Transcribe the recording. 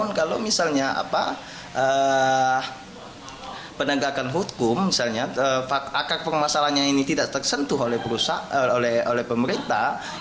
namun kalau misalnya penegakan hukum misalnya akar permasalahannya ini tidak tersentuh oleh pemerintah